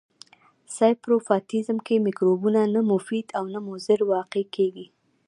ساپروفایټیزم کې مکروبونه نه مفید او نه مضر واقع کیږي.